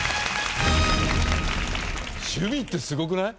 趣味ってすごくない？